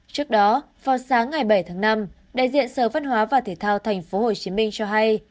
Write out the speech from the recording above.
trước đó vào sáng ngày bảy tháng năm đại diện sở văn hóa và thể thao tp hcm cho hay